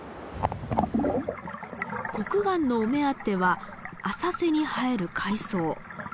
コクガンのお目当ては浅瀬に生える海藻。